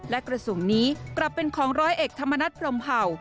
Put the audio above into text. และกระสุนนี้กลับเป็นของร้อยเอกธรรมนัฐพรมเผ่า